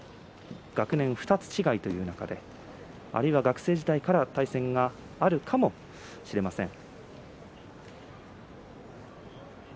学年は２つ違いという中で学生時代から対戦があるかもしれません。